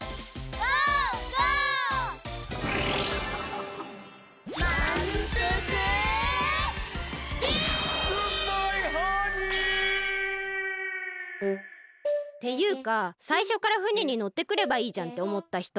グッバイハニー！っていうかさいしょからふねにのってくればいいじゃんっておもったひと！